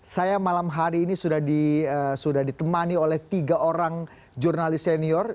saya malam hari ini sudah ditemani oleh tiga orang jurnalis senior